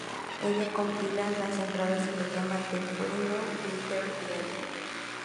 Ella compila las entradas y lo llama The Freedom Writers Diary.